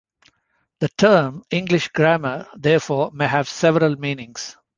The term "English grammar", therefore, may have several meanings.